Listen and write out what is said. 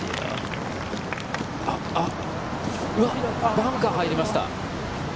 バンカーに入りました。